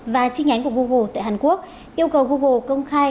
và chi nhánh của google tại hàn quốc yêu cầu google công khai